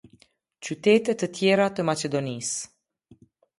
Qytete të tjera të Maqedonisë.